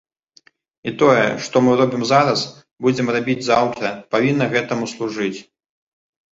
І тое, што мы робім зараз, будзем рабіць заўтра, павінна гэтаму служыць.